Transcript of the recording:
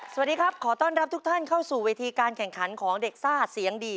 สวัสดีครับขอต้อนรับทุกท่านเข้าสู่เวทีการแข่งขันของเด็กซ่าเสียงดี